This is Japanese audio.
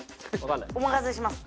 お任せします。